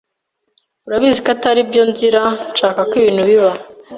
Urabizi ko atariyo nzira nshaka ko ibintu biba.